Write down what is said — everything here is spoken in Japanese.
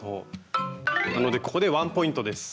なのでここでワンポイントです。